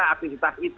karena itu dikurangi